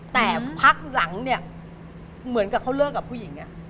แต่พักหลังเนี่ยเหมือนกับเขาเลิกกับผู้หญิงเนี่ย